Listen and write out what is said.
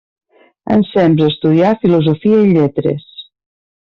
Ensems estudià Filosofia i Lletres.